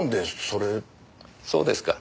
そうですか。